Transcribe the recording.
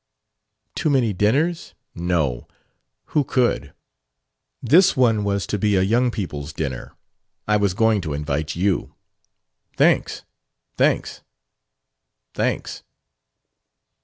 "Too many dinners? No. Who could?" "This one was to be a young people's dinner. I was going to invite you." "Thanks. Thanks. Thanks."